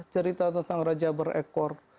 cerita tentang raja berekor